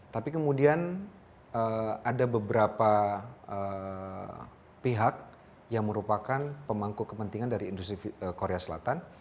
tapi kemudian ada beberapa pihak yang merupakan pemangku kepentingan dari industri korea selatan